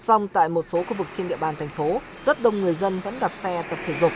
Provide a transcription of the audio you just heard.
xong tại một số khu vực trên địa bàn thành phố rất đông người dân vẫn đạp xe tập thể dục